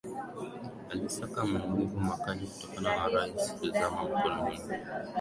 Alisika maumivu makali kutokana na risasi kuzama mkononi